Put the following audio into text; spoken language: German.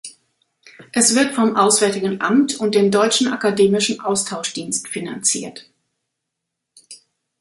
Es wird vom Auswärtigen Amt und dem Deutschen Akademischen Austauschdienst finanziert.